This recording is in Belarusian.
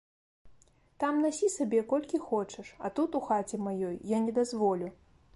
Там насі сабе колькі хочаш, а тут, у хаце маёй, я не дазволю.